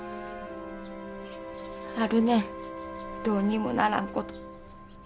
あるねんどうにもならんこと。